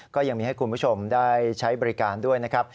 ก็ยังมีให้คุณผู้ชมได้ใช้บริการด้วยนะครับ